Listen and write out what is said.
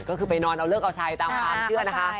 ก็คือไปนอนเอาเลิกเอาชัยตามความเชื่อนะคะ